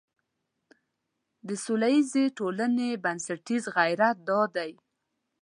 د سولیزې ټولنې بنسټیز غیرت دا دی.